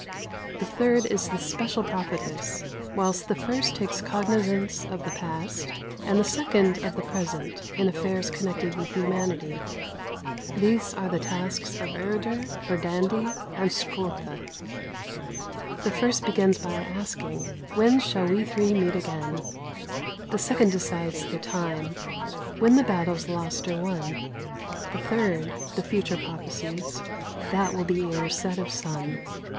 "The third is the special prophetess, whilst the first takes cognizance of the past, and the second of the present, in affairs connected with humanity. These are the tasks of Urda, Verdandi, and Skulda. The first begins by asking, 'When shall we three meet again?' The second decides the time: 'When the battle's lost or won.' The third, the future prophesies: 'That will be ere set of sun.'